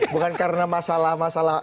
bukan karena masalah masalah